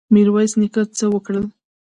میرویس نیکه څه وکړل؟